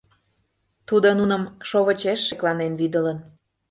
Тудо нуным шовычеш шекланен вӱдылын.